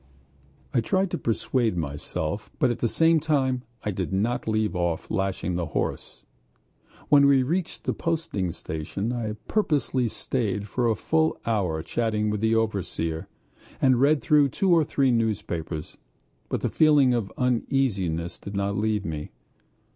I tried to persuade myself, but at the same time I did not leave off lashing the horse. When we reached the posting station I purposely stayed for a full hour chatting with the overseer, and read through two or three newspapers, but the feeling of uneasiness did not leave me.